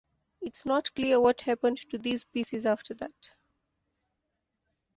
It is not clear what happened to these pieces after that.